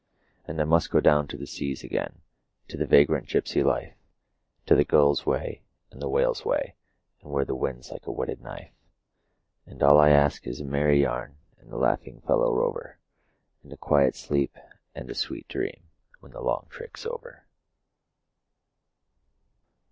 I must go down to the seas again, to the vagrant gypsy life, To the gull's way and the whale's way, where the wind's like a whetted knife; And all I ask is a merry yarn from a laughing fellow rover, And quiet sleep and a sweet dream when the long trick's over.